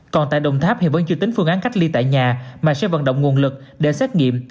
còn tại đồng tháp hiện vẫn chưa tính phương án cách ly tại nhà mà sẽ vận động nguồn lực để xét nghiệm